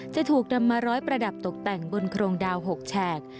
จะถูกนำมาร้อยประดับตกแต่งบนโครงดาว๖แฉก